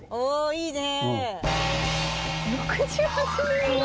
いいね。